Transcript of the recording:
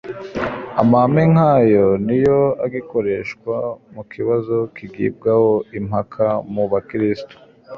Amahame nk'ayo ni yo agikoreshwa mu kibazo kigibwaho impaka mu bakristo,